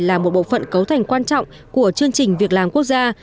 là một bộ phận cấu thành quan trọng của chương trình việc làm quốc gia